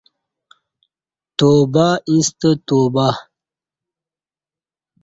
توبہ ییستہ توبہ